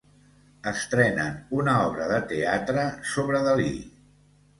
Estrenen una obra de teatre sobre Dalí.